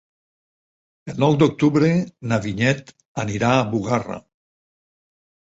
El nou d'octubre na Vinyet anirà a Bugarra.